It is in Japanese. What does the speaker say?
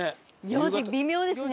４時微妙ですね。